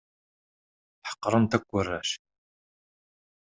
Ḥeqren-t akk warrac.